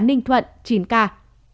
ninh thuận chín ca